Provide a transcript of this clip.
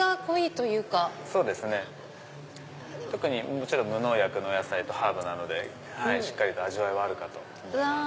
もちろん無農薬のお野菜とハーブなのでしっかりと味わいはあるかと思います。